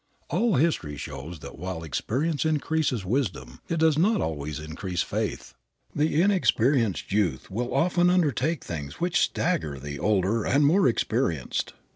All history shows that while experience increases wisdom, it does not always increase faith. The inexperienced youth will often undertake things which stagger the older and more experienced.